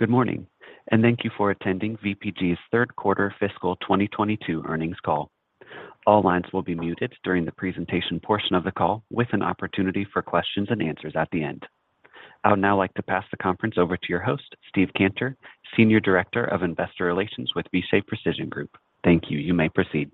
Good morning, and thank you for attending VPG's third quarter fiscal 2022 earnings call. All lines will be muted during the presentation portion of the call with an opportunity for questions and answers at the end. I would now like to pass the conference over to your host, Steve Cantor, Senior Director of Investor Relations with Vishay Precision Group. Thank you. You may proceed.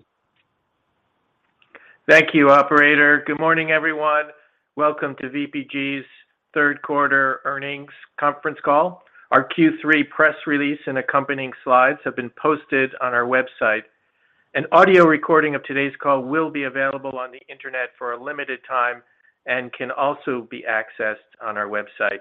Thank you, operator. Good morning, everyone. Welcome to VPG's third quarter earnings conference call. Our Q3 press release and accompanying slides have been posted on our website. An audio recording of today's call will be available on the Internet for a limited time and can also be accessed on our website.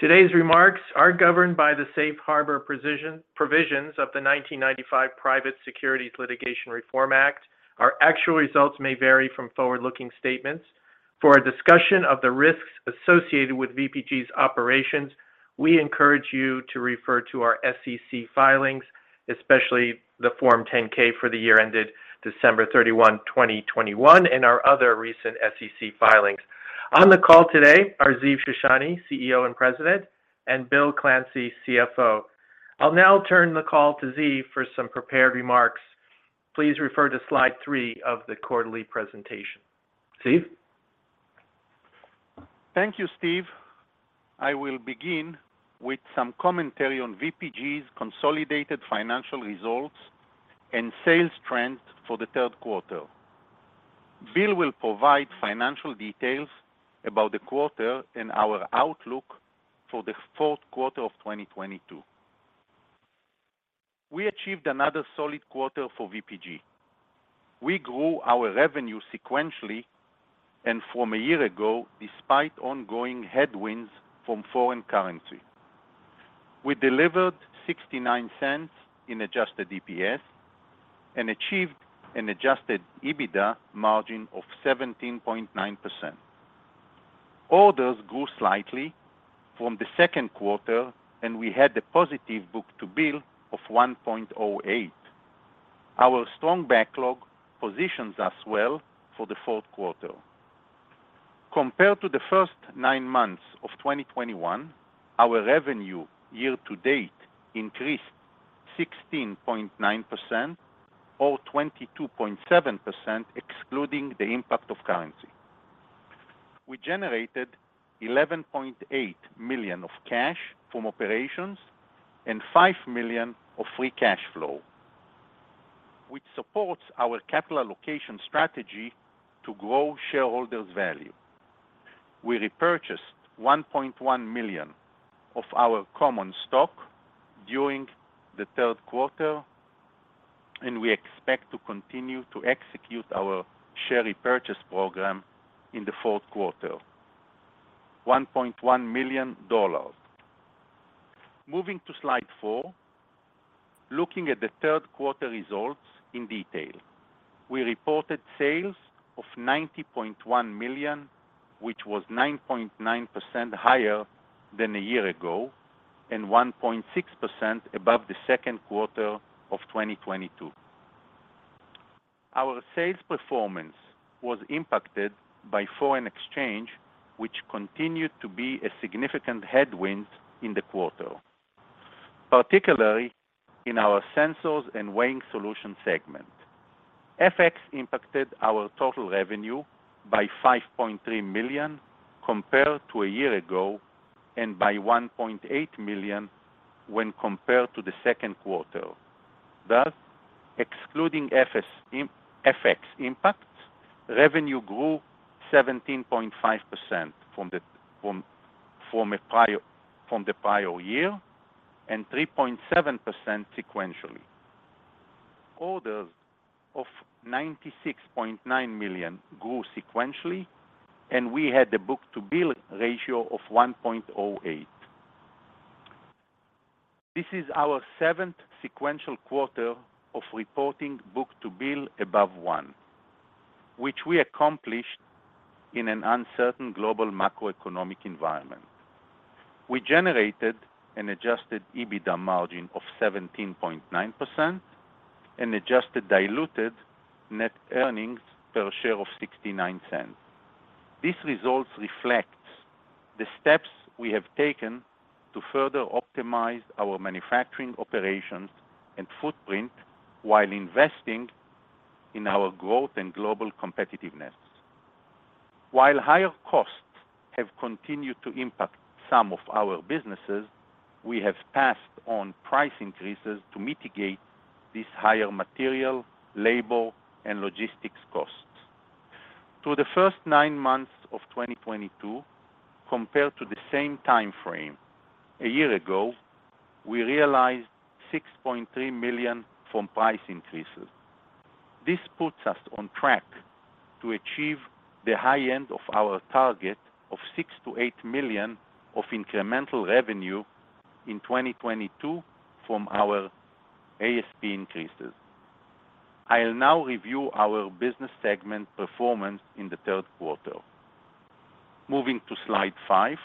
Today's remarks are governed by the Safe Harbor provisions of the 1995 Private Securities Litigation Reform Act. Our actual results may vary from forward-looking statements. For a discussion of the risks associated with VPG's operations, we encourage you to refer to our SEC filings, especially the Form 10-K for the year ended December 31, 2021, and our other recent SEC filings. On the call today are Ziv Shoshani, CEO and President, and Bill Clancy, CFO. I'll now turn the call to Ziv for some prepared remarks. Please refer to slide 3 of the quarterly presentation. Ziv? Thank you, Steve. I will begin with some commentary on VPG's consolidated financial results and sales trends for the third quarter. Bill will provide financial details about the quarter and our outlook for the fourth quarter of 2022. We achieved another solid quarter for VPG. We grew our revenue sequentially and from a year ago, despite ongoing headwinds from foreign currency. We delivered $0.69 in adjusted EPS and achieved an adjusted EBITDA margin of 17.9%. Orders grew slightly from the second quarter, and we had a positive book-to-bill of 1.08. Our strong backlog positions us well for the fourth quarter. Compared to the first nine months of 2021, our revenue year-to-date increased 16.9% or 22.7%, excluding the impact of currency. We generated $11.8 million of cash from operations and $5 million of free cash flow, which supports our capital allocation strategy to grow shareholders' value. We repurchased 1.1 million of our common stock during the third quarter, and we expect to continue to execute our share repurchase program in the fourth quarter. $1.1 million. Moving to slide four, looking at the third quarter results in detail. We reported sales of $90.1 million, which was 9.9% higher than a year ago and 1.6% above the second quarter of 2022. Our sales performance was impacted by foreign exchange, which continued to be a significant headwind in the quarter, particularly in our Sensors and Weighing Solutions segment. FX impacted our total revenue by $5.3 million compared to a year ago and by $1.8 million when compared to the second quarter. Thus, excluding FX impacts, revenue grew 17.5% from the prior year, and 3.7% sequentially. Orders of $96.9 million grew sequentially, and we had a book-to-bill ratio of 1.08. This is our seventh sequential quarter of reporting book-to-bill above one, which we accomplished in an uncertain global macroeconomic environment. We generated an adjusted EBITDA margin of 17.9% and adjusted diluted net earnings per share of $0.69. These results reflect the steps we have taken to further optimize our manufacturing operations and footprint while investing in our growth and global competitiveness. While higher costs have continued to impact some of our businesses, we have passed on price increases to mitigate these higher material, labor, and logistics costs. Through the first nine months of 2022 compared to the same time frame a year ago, we realized $6.3 million from price increases. This puts us on track to achieve the high end of our target of $6 million-$8 million of incremental revenue in 2022 from our ASP increases. I'll now review our business segment performance in the third quarter. Moving to slide 5.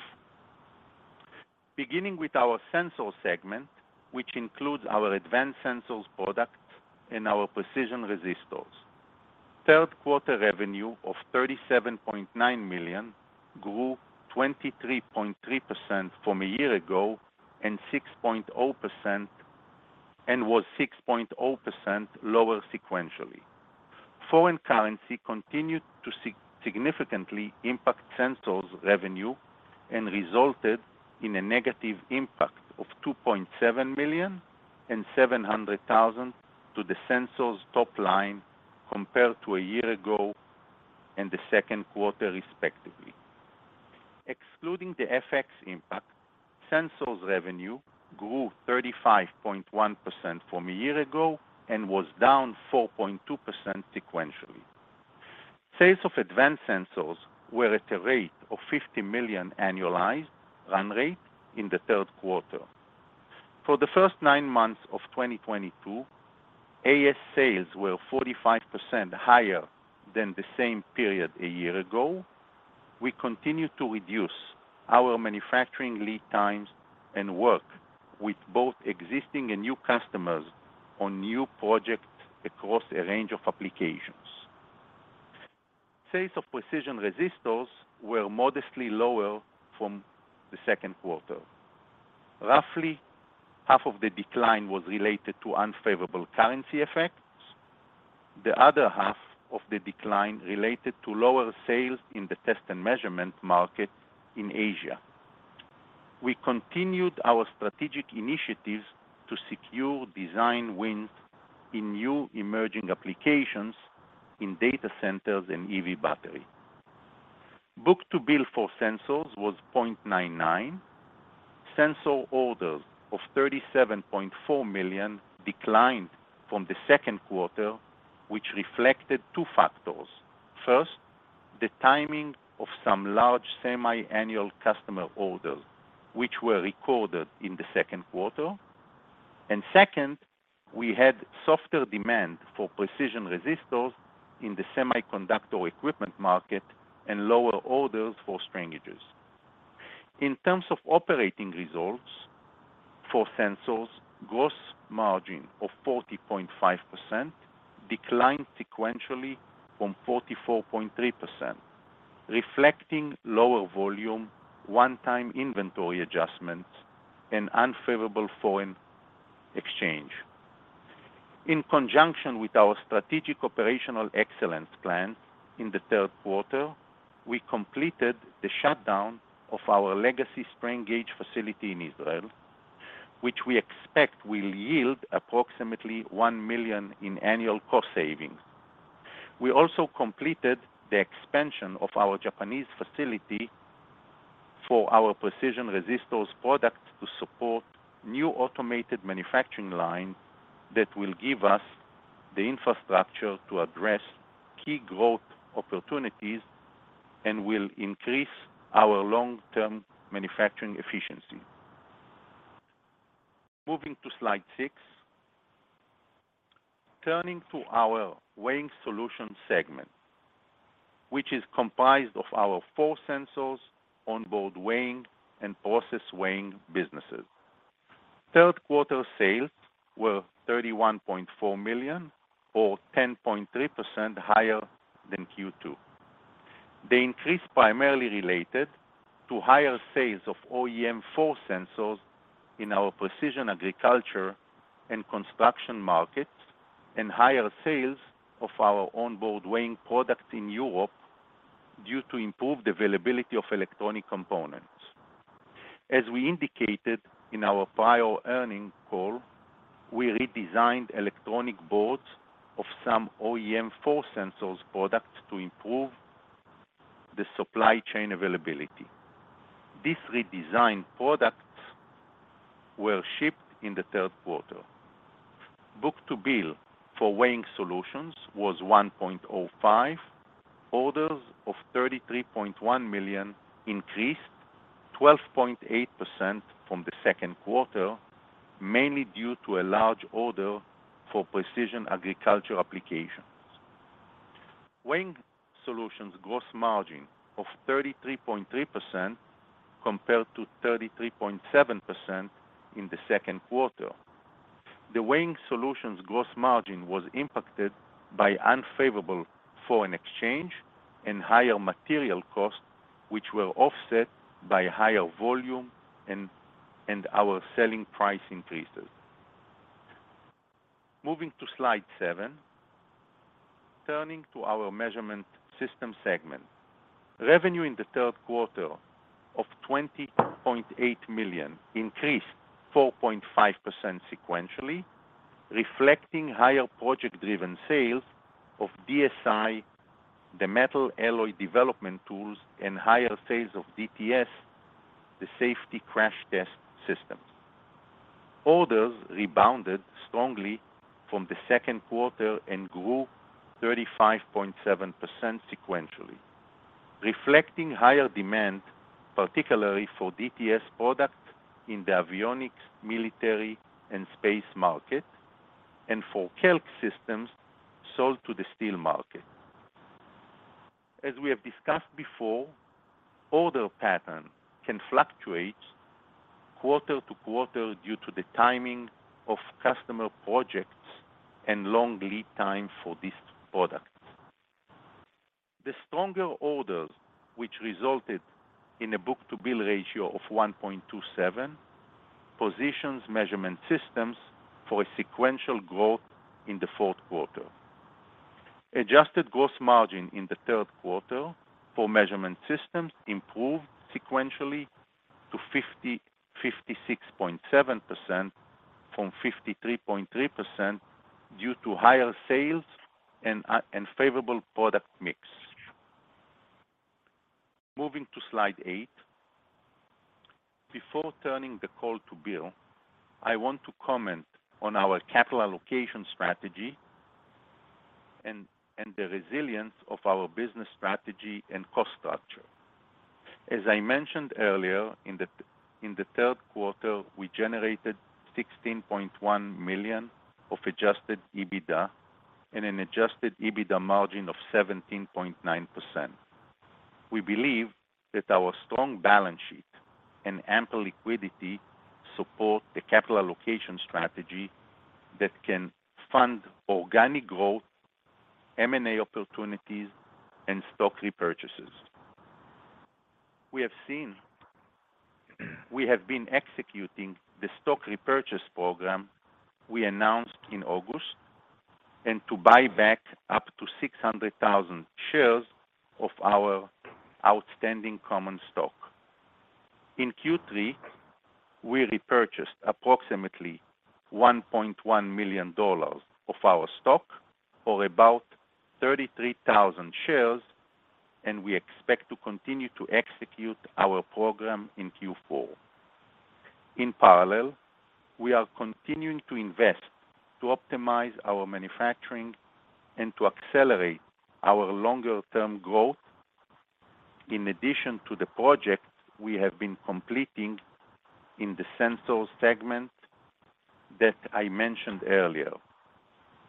Beginning with our Sensors segment, which includes our Advanced Sensors products and our precision resistors. Third quarter revenue of $37.9 million grew 23.3% from a year ago and was 6.0% lower sequentially. Foreign currency continued to significantly impact Sensors revenue and resulted in a negative impact of $2.7 million and $700,000 to the Sensors top line compared to a year ago and the second quarter respectively. Excluding the FX impact, Sensors revenue grew 35.1% from a year ago and was down 4.2% sequentially. Sales of Advanced Sensors were at a rate of $50 million annualized run rate in the third quarter. For the first nine months of 2022, AS sales were 45% higher than the same period a year ago. We continue to reduce our manufacturing lead times and work with both existing and new customers on new projects across a range of applications. Sales of precision resistors were modestly lower from the second quarter. Roughly half of the decline was related to unfavorable currency effects. The other half of the decline related to lower sales in the test and measurement market in Asia. We continued our strategic initiatives to secure design wins in new emerging applications in data centers and EV battery. Book-to-bill for Sensors was 0.99. Sensors orders of $37.4 million declined from the second quarter, which reflected two factors. First, the timing of some large semi-annual customer orders, which were recorded in the second quarter. Second, we had softer demand for precision resistors in the semiconductor equipment market and lower orders for strain gages. In terms of operating results for Sensors, gross margin of 40.5% declined sequentially from 44.3%, reflecting lower volume, one-time inventory adjustments, and unfavorable foreign exchange. In conjunction with our strategic operational excellence plan in the third quarter, we completed the shutdown of our legacy strain gage facility in Israel, which we expect will yield approximately $1 million in annual cost savings. We also completed the expansion of our Japanese facility for our precision resistors products to support new automated manufacturing lines that will give us the infrastructure to address key growth opportunities and will increase our long-term manufacturing efficiency. Moving to slide 6. Turning to our Weighing Solutions segment, which is comprised of our force sensors, onboard weighing, and process weighing businesses. Third quarter sales were $31.4 million, or 10.3% higher than Q2. The increase primarily related to higher sales of OEM force sensors in our precision agriculture and construction markets and higher sales of our onboard weighing products in Europe due to improved availability of electronic components. As we indicated in our prior earnings call, we redesigned electronic boards of some OEM force sensors products to improve the supply chain availability. These redesigned products were shipped in the third quarter. Book-to-bill for Weighing Solutions was 1.05. Orders of $33.1 million increased 12.8% from the second quarter, mainly due to a large order for precision agriculture applications. Weighing Solutions gross margin of 33.3% compared to 33.7% in the second quarter. The Weighing Solutions gross margin was impacted by unfavorable foreign exchange and higher material costs, which were offset by higher volume and our selling price increases. Moving to slide seven. Turning to our Measurement Systems segment. Revenue in the third quarter of $20.8 million increased 4.5% sequentially, reflecting higher project-driven sales of DSI, the metal alloy development tools, and higher sales of DTS, the safety crash test systems. Orders rebounded strongly from the second quarter and grew 35.7% sequentially, reflecting higher demand, particularly for DTS products in the avionics, military, and space market, and for KELK systems sold to the steel market. As we have discussed before, order pattern can fluctuate quarter to quarter due to the timing of customer projects and long lead time for these products. The stronger orders, which resulted in a book-to-bill ratio of 1.27, positions measurement systems for a sequential growth in the fourth quarter. Adjusted gross margin in the third quarter for Measurement Systems improved sequentially to 56.7% from 53.3% due to higher sales and favorable product mix. Moving to slide 8. Before turning the call to Bill, I want to comment on our capital allocation strategy and the resilience of our business strategy and cost structure. As I mentioned earlier, in the third quarter, we generated $16.1 million of adjusted EBITDA and an adjusted EBITDA margin of 17.9%. We believe that our strong balance sheet and ample liquidity support the capital allocation strategy that can fund organic growth, M&A opportunities, and stock repurchases. We have been executing the stock repurchase program we announced in August, and to buy back up to 600,000 shares of our outstanding common stock. In Q3, we repurchased approximately $1.1 million of our stock, or about 33,000 shares, and we expect to continue to execute our program in Q4. In parallel, we are continuing to invest to optimize our manufacturing and to accelerate our longer-term growth. In addition to the projects we have been completing in the Sensors segment that I mentioned earlier,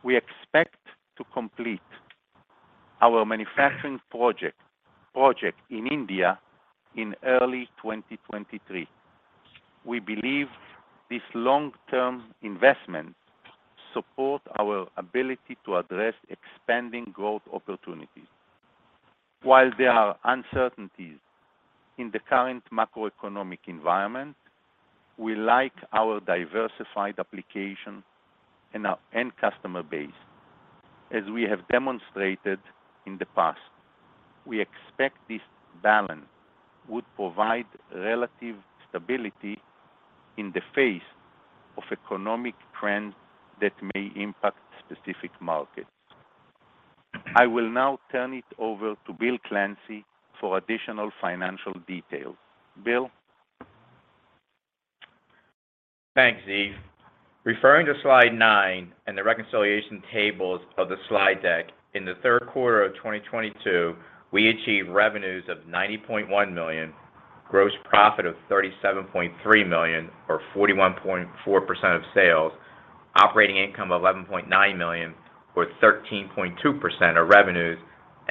we expect to complete our manufacturing project in India in early 2023. We believe these long-term investments support our ability to address expanding growth opportunities. While there are uncertainties in the current macroeconomic environment, we like our diversified application and our end customer base, as we have demonstrated in the past. We expect this balance would provide relative stability in the face of economic trends that may impact specific markets. I will now turn it over to Bill Clancy for additional financial details. Bill? Thanks, Ziv. Referring to slide 9 and the reconciliation tables of the slide deck, in the third quarter of 2022, we achieved revenues of $90.1 million, gross profit of $37.3 million or 41.4% of sales, operating income of $11.9 million or 13.2% of revenues,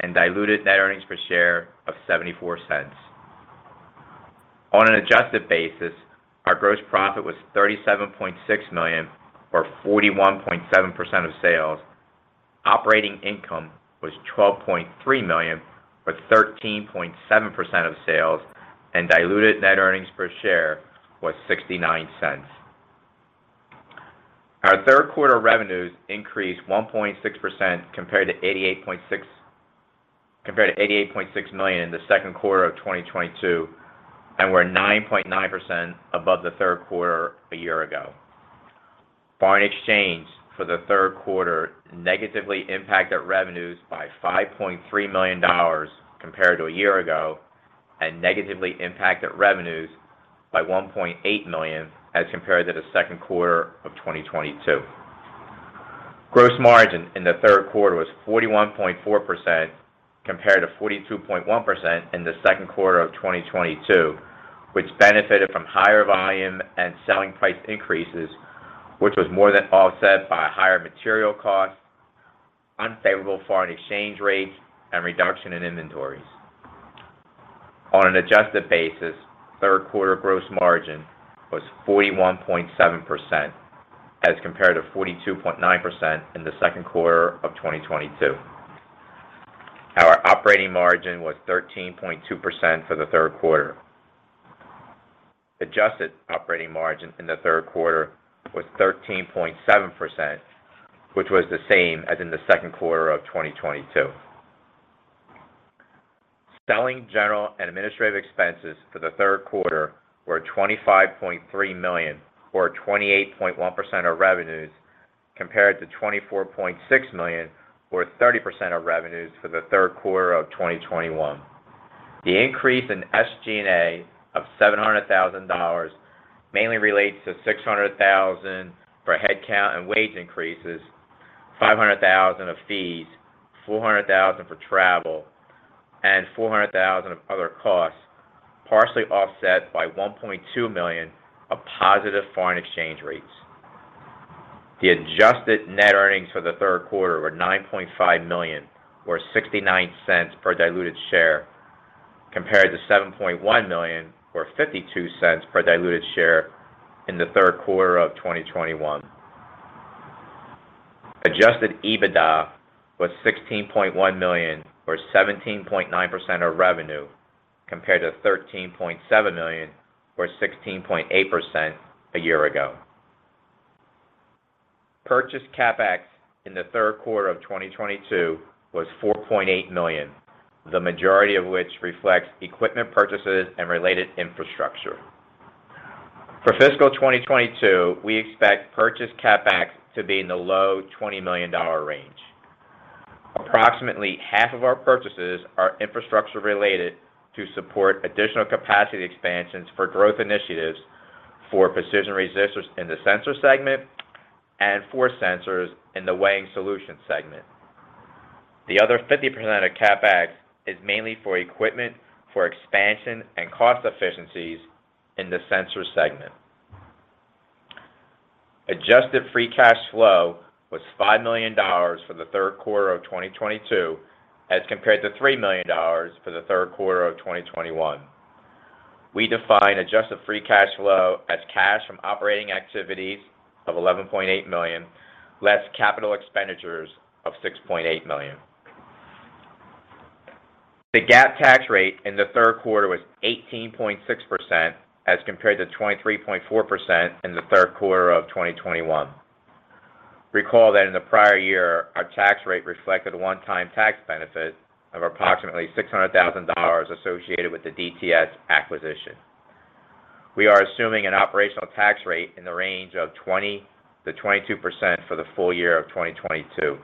and diluted net earnings per share of $0.74. On an adjusted basis, our gross profit was $37.6 million or 41.7% of sales. Operating income was $12.3 million or 13.7% of sales, and diluted net earnings per share was $0.69. Our third quarter revenues increased 1.6% compared to $88.6 million in the second quarter of 2022 and were 9.9% above the third quarter a year ago. Foreign exchange for the third quarter negatively impacted revenues by $5.3 million compared to a year ago, and negatively impacted revenues by $1.8 million as compared to the second quarter of 2022. Gross margin in the third quarter was 41.4% compared to 42.1% in the second quarter of 2022, which benefited from higher volume and selling price increases, which was more than offset by higher material costs, unfavorable foreign exchange rates, and reduction in inventories. On an adjusted basis, third quarter gross margin was 41.7% as compared to 42.9% in the second quarter of 2022. Our operating margin was 13.2% for the third quarter. Adjusted operating margin in the third quarter was 13.7%, which was the same as in the second quarter of 2022. Selling, general, and administrative expenses for the third quarter were $25.3 million or 28.1% of revenues, compared to $24.6 million or 30% of revenues for the third quarter of 2021. The increase in SG&A of $700 thousand mainly relates to $600 thousand for headcount and wage increases, $500 thousand of fees, $400 thousand for travel, and $400 thousand of other costs, partially offset by $1.2 million of positive foreign exchange rates. The adjusted net earnings for the third quarter were $9.5 million, or $0.69 per diluted share, compared to $7.1 million, or $0.52 per diluted share in the third quarter of 2021. Adjusted EBITDA was $16.1 million, or 17.9% of revenue, compared to $13.7 million, or 16.8% a year ago. Purchased CapEx in the third quarter of 2022 was $4.8 million, the majority of which reflects equipment purchases and related infrastructure. For fiscal 2022, we expect purchased CapEx to be in the low $20 million range. Approximately half of our purchases are infrastructure-related to support additional capacity expansions for growth initiatives for precision resistors in the Sensors segment and force sensors in the Weighing Solutions segment. The other 50% of CapEx is mainly for equipment for expansion and cost efficiencies in the Sensors segment. Adjusted free cash flow was $5 million for the third quarter of 2022, as compared to $3 million for the third quarter of 2021. We define adjusted free cash flow as cash from operating activities of $11.8 million, less capital expenditures of $6.8 million. The GAAP tax rate in the third quarter was 18.6%, as compared to 23.4% in the third quarter of 2021. Recall that in the prior year, our tax rate reflected a one-time tax benefit of approximately $600,000 associated with the DTS acquisition. We are assuming an operational tax rate in the range of 20%-22% for the full year of 2022.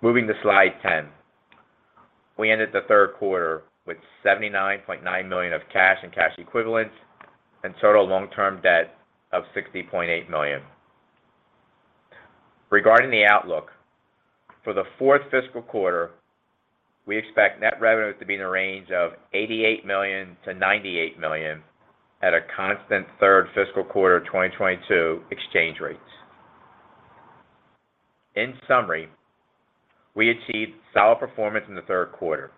Moving to slide 10. We ended the third quarter with $79.9 million of cash and cash equivalents and total long-term debt of $60.8 million. Regarding the outlook, for the fourth fiscal quarter, we expect net revenues to be in the range of $88 million-$98 million at a constant third fiscal quarter 2022 exchange rates. In summary, we achieved solid performance in the third quarter.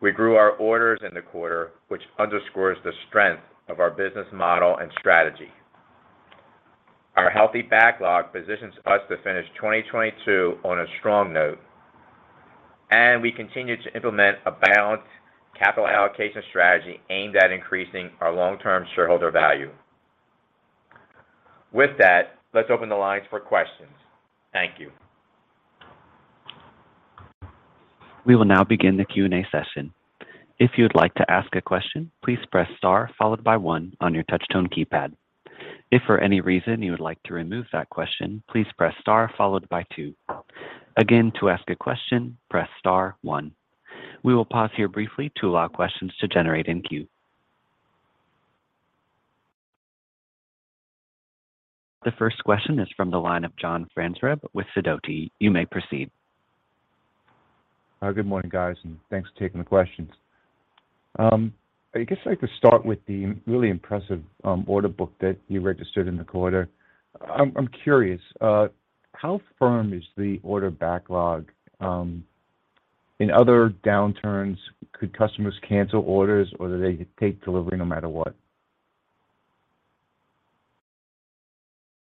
We grew our orders in the quarter, which underscores the strength of our business model and strategy. Our healthy backlog positions us to finish 2022 on a strong note, and we continue to implement a balanced capital allocation strategy aimed at increasing our long-term shareholder value. With that, let's open the lines for questions. Thank you. We will now begin the Q&A session. If you'd like to ask a question, please press star followed by one on your touch tone keypad. If for any reason you would like to remove that question, please press star followed by two. Again, to ask a question, press star one. We will pause here briefly to allow questions to generate in queue. The first question is from the line of John Franzreb with Sidoti. You may proceed. Good morning, guys, and thanks for taking the questions. I guess I could start with the really impressive order book that you registered in the quarter. I'm curious, how firm is the order backlog in other downturns? Could customers cancel orders, or do they take delivery no matter what?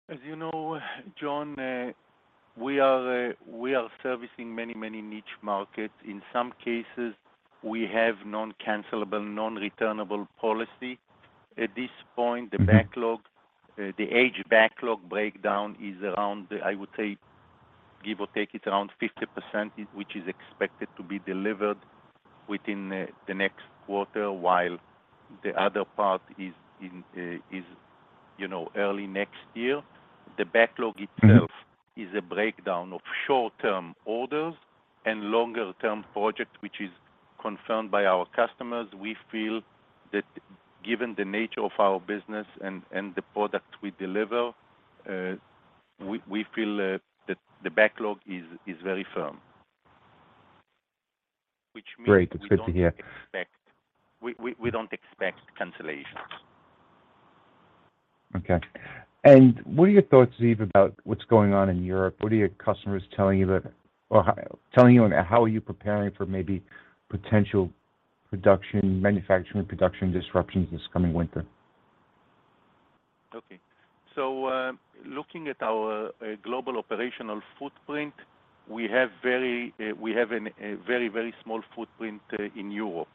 As you know, John, we are servicing many niche markets. In some cases, we have non-cancelable, non-returnable policy. At this point, the backlog, the aged backlog breakdown is around, I would say, give or take, it's around 50%, which is expected to be delivered within the next quarter, while the other part is in, you know, early next year. The backlog itself is a breakdown of short-term orders and longer-term project, which is confirmed by our customers. We feel that given the nature of our business and the product we deliver, we feel that the backlog is very firm. Which means Great. That's good to hear. We don't expect cancellations. Okay. What are your thoughts, Ziv, about what's going on in Europe? What are your customers telling you and how are you preparing for maybe potential manufacturing production disruptions this coming winter? Okay. Looking at our global operational footprint, we have a very, very small footprint in Europe.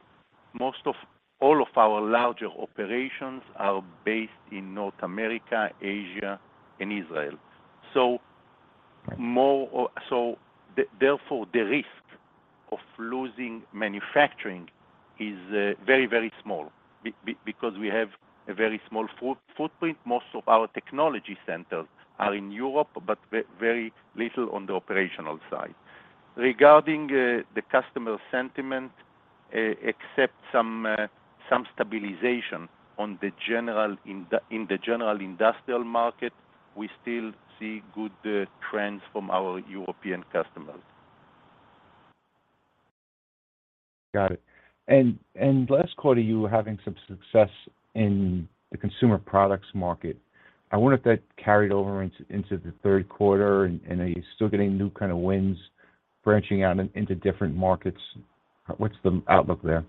Most of all of our larger operations are based in North America, Asia, and Israel. Therefore, the risk of losing manufacturing is very, very small because we have a very small footprint. Most of our technology centers are in Europe, but very little on the operational side. Regarding the customer sentiment, except some stabilization in the general industrial market, we still see good trends from our European customers. Got it. Last quarter you were having some success in the consumer products market. I wonder if that carried over into the third quarter, and are you still getting new kind of wins branching out into different markets? What's the outlook there?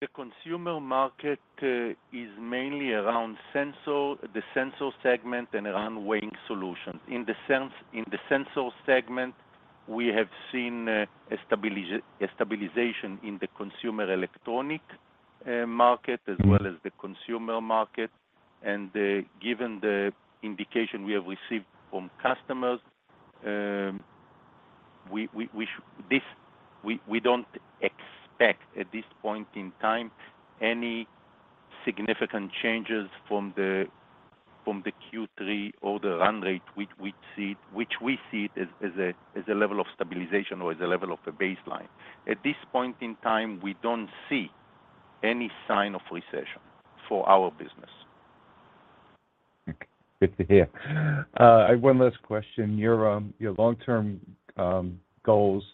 The consumer market is mainly around Sensors, the Sensors segment and around Weighing Solutions. In the Sensors segment, we have seen a stabilization in the consumer electronics market as well as the consumer market. Given the indication we have received from customers, we don't expect at this point in time any significant changes from the Q3 or the run rate which we see as a level of stabilization or as a level of a baseline. At this point in time, we don't see any sign of recession for our business. Good to hear. I have one last question. Your long-term goals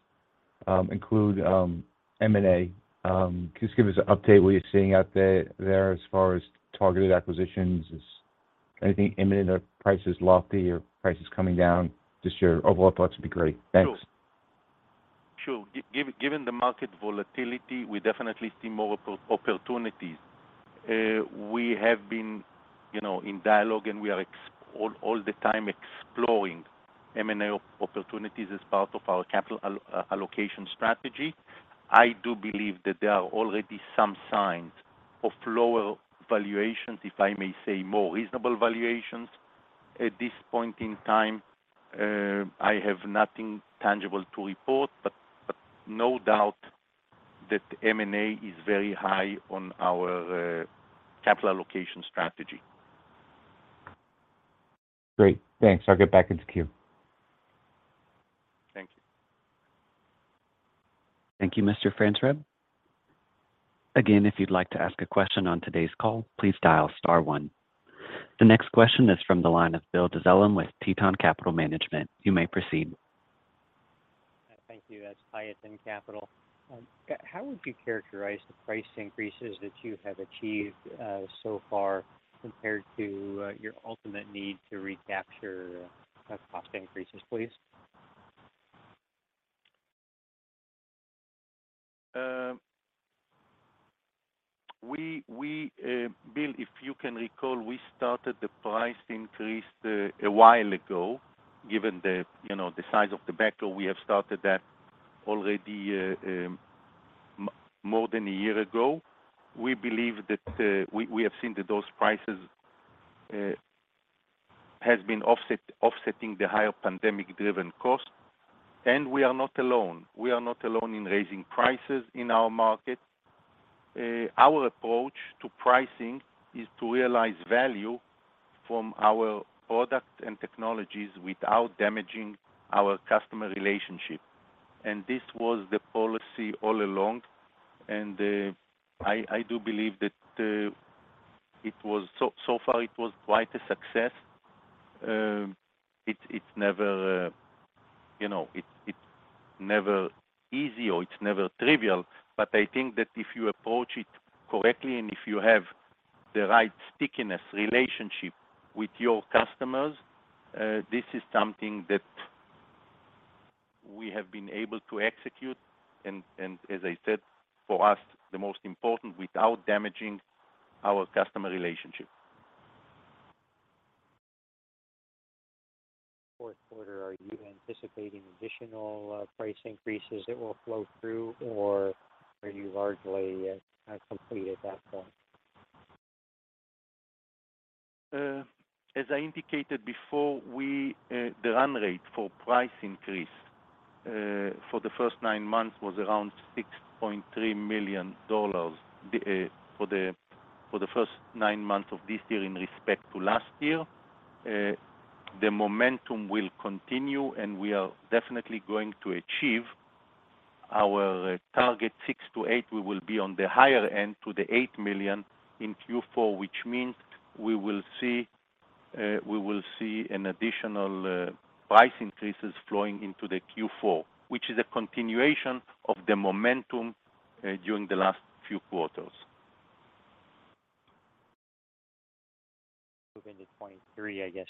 include M&A. Can you just give us an update what you're seeing out there as far as targeted acquisitions? Is anything imminent or prices lofty or prices coming down this year? Overall thoughts would be great. Thanks. Sure. Given the market volatility, we definitely see more opportunities. We have been, you know, in dialogue, and we are all the time exploring M&A opportunities as part of our capital allocation strategy. I do believe that there are already some signs of lower valuations, if I may say, more reasonable valuations at this point in time. I have nothing tangible to report, but no doubt that M&A is very high on our capital allocation strategy. Great. Thanks. I'll get back into queue. Thank you. Thank you, Mr. Franzreb. Again, if you'd like to ask a question on today's call, please dial star one. The next question is from the line of Bill Dezellem with Tieton Capital Management. You may proceed. Thank you. That's Pierson Capital. How would you characterize the price increases that you have achieved so far compared to your ultimate need to recapture cost increases, please? We, Bill, if you can recall, we started the price increase a while ago. Given the, you know, the size of the backlog, we have started that already more than a year ago. We believe that we have seen that those prices has been offsetting the higher pandemic-driven cost. We are not alone. We are not alone in raising prices in our market. Our approach to pricing is to realize value from our products and technologies without damaging our customer relationship. This was the policy all along, and I do believe that it was so far quite a success. It's never, you know, it's never easy, or it's never trivial. I think that if you approach it correctly and if you have the right stickiness relationship with your customers, this is something that we have been able to execute and, as I said, for us, the most important, without damaging our customer relationship. Fourth quarter, are you anticipating additional price increases that will flow through, or are you largely have completed that part? As I indicated before, we, the run rate for price increase for the first nine months was around $6.3 million for the first nine months of this year in respect to last year. The momentum will continue, and we are definitely going to achieve our target $6 million-$8 million. We will be on the higher end to the $8 million in Q4, which means we will see an additional price increases flowing into the Q4, which is a continuation of the momentum during the last few quarters. Moving to 2023, I guess,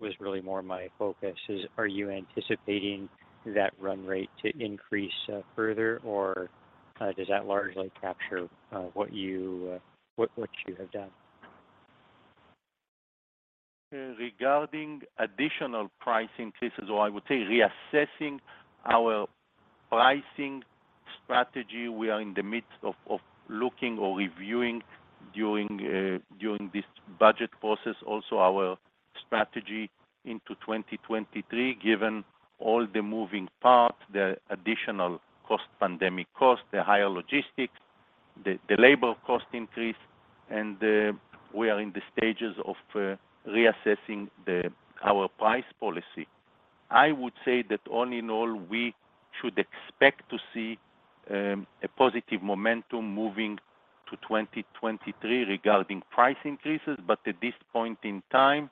was really more my focus, are you anticipating that run rate to increase further, or does that largely capture what you have done? Regarding additional price increases, or I would say reassessing our pricing strategy, we are in the midst of looking or reviewing during this budget process, also our strategy into 2023, given all the moving parts, the additional cost, pandemic cost, the higher logistics, the labor cost increase, and we are in the stages of reassessing our price policy. I would say that all in all, we should expect to see a positive momentum moving to 2023 regarding price increases. At this point in time,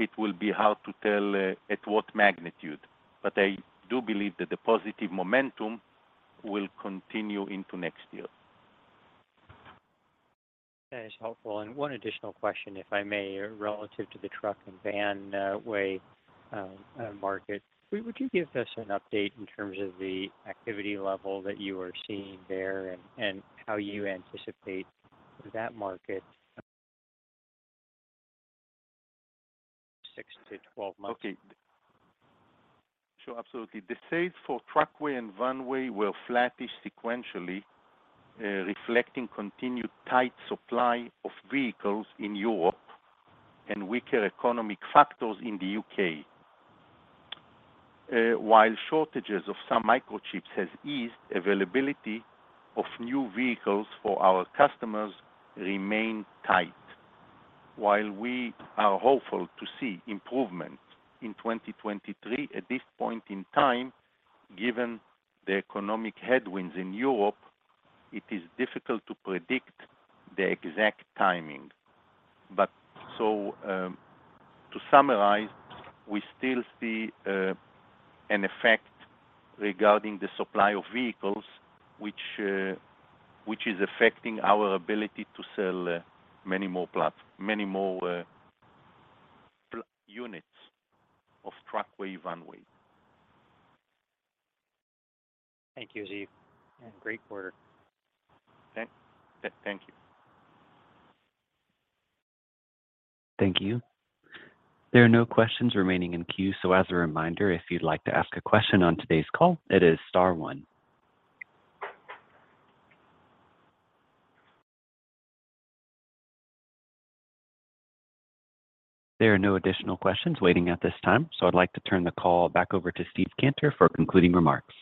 it will be hard to tell at what magnitude, but I do believe that the positive momentum will continue into next year. That is helpful. One additional question, if I may, relative to the TruckWeigh and VanWeigh market. Would you give us an update in terms of the activity level that you are seeing there and how you anticipate that market 6-12 months? Okay. Sure, absolutely. The sales for TruckWeigh and VanWeigh were flattish sequentially, reflecting continued tight supply of vehicles in Europe and weaker economic factors in the UK. While shortages of some microchips has eased availability of new vehicles for our customers remain tight. While we are hopeful to see improvement in 2023, at this point in time, given the economic headwinds in Europe, it is difficult to predict the exact timing. To summarize, we still see an effect regarding the supply of vehicles which is affecting our ability to sell many more units of TruckWeigh, VanWeigh. Thank you, Ziv, and great quarter. Thank you. Thank you. There are no questions remaining in queue. As a reminder, if you'd like to ask a question on today's call, it is star one. There are no additional questions waiting at this time, so I'd like to turn the call back over to Steve Cantor for concluding remarks.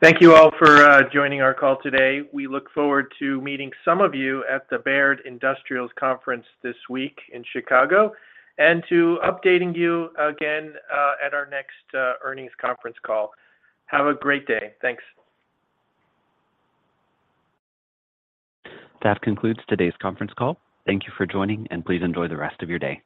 Thank you all for joining our call today. We look forward to meeting some of you at the Baird Global Industrial Conference this week in Chicago and to updating you again at our next earnings conference call. Have a great day. Thanks. That concludes today's conference call. Thank you for joining, and please enjoy the rest of your day.